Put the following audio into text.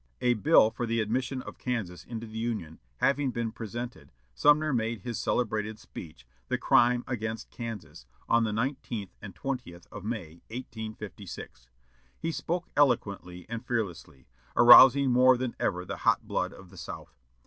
A "Bill for the Admission of Kansas into the Union" having been presented, Sumner made his celebrated speech "The Crime against Kansas," on the 19th and 20th of May, 1856. He spoke eloquently and fearlessly, arousing more than ever the hot blood of the South.